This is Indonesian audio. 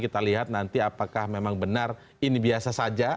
kita lihat nanti apakah memang benar ini biasa saja